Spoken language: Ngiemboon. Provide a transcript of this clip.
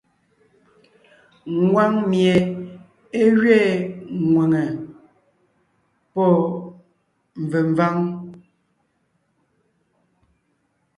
Ngwáŋ mie é gẅiin ŋwʉ̀ŋe (P), pɔ́ mvèmváŋ (K).